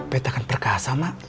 petakan perkasa mak